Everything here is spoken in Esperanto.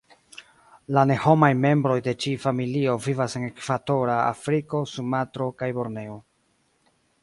La ne-homaj membroj de ĉi-familio vivas en Ekvatora Afriko, Sumatro, kaj Borneo.